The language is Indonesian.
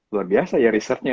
luar biasa ya research nya